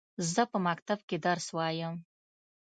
زه په مکتب کښي درس وايم.